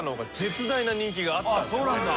そうなんだ。